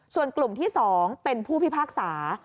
ส่วนกลุ่มที่๒เป็นผู้พิพากษา